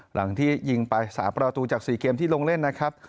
หลังที่ยิงไป๓ประตูจาก๔เกมที่ลงเล่นนะครับ